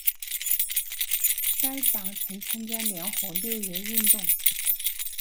该党曾参加联合六月运动。